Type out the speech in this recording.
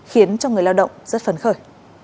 khiến cho người lao động rất phấn khởi